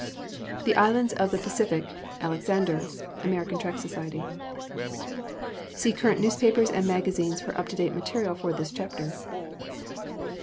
The Islands of the Pacific, Alexander. (Am. Tract Soc.) See current newspapers and magazines for up to date material for this chapter.